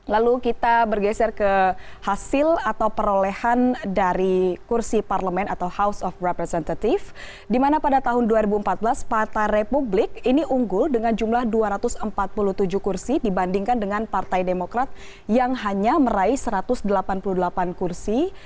lalu kita bergeser ke hasil atau perolehan dari kursi parlemen atau house of representative dimana pada tahun dua ribu empat belas partai republik ini unggul dengan jumlah dua ratus empat puluh tujuh kursi dibandingkan dengan partai demokrat yang hanya meraih satu ratus delapan puluh delapan kursi